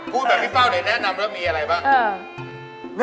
พูดแบบพี่เฝ้าเนี่ยแนะนำแล้วมีอะไรบ้าง